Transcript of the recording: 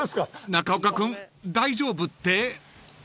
［中岡君大丈夫って？］